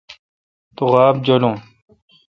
تو غابہ جولون۔